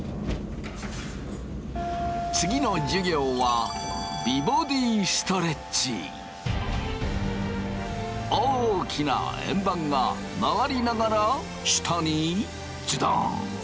次の授業は大きな円盤が回りながら下にズドン。